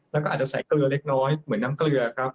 แล้วก็อาจจะใส่เกลือเล็กน้อยเหมือนน้ำเกลือครับ